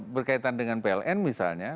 berkaitan dengan pln misalnya